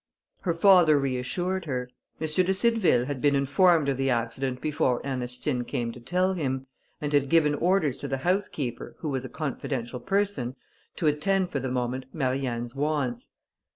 Her father reassured her. M. de Cideville had been informed of the accident before Ernestine came to tell him, and had given orders to the housekeeper, who was a confidential person, to attend for the moment Marianne's wants.